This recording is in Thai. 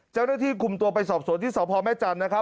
เจ้าหน้าที่กลุ่มตัวไปสอบโสดที่สพแม่จันทร์